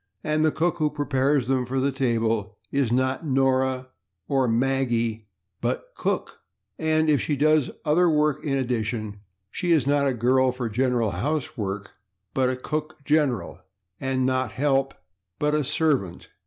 And the cook who prepares them for the table is not /Nora/ or /Maggie/, but /Cook/, and if she does other work in addition she is not a /girl for general housework/, but a /cook general/, and not /help/, but a /servant